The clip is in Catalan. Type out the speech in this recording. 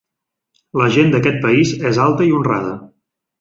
La gent d'aquest país és alta i honrada.